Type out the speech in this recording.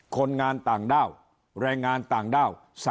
คนงานต่างด้าวแรงงานต่างด้าว